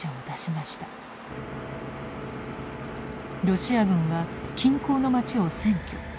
ロシア軍は近郊の町を占拠。